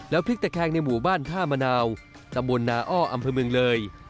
พลิกตะแคงในหมู่บ้านท่ามะนาวตำบลนาอ้ออำเภอเมืองเลย